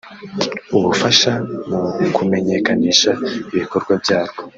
ubufasha mu kumenyekanisha ibikorwa byarwo